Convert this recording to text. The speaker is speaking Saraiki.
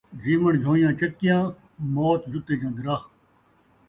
جیوݨ جھویاں چکیاں ، موت جُتے جن٘دراہ